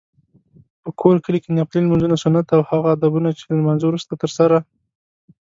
په کور کې نفلي لمونځونه، سنت او هغه ادبونه چې له لمانځته وروسته ترسره